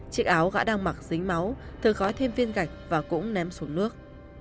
chiếc áo gã đang mặc dính máu thường gói thêm viên gạch và cũng ném xuống nước